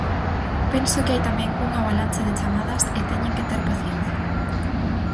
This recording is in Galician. Penso que hai tamén unha avalancha de chamadas e teñen que ter paciencia.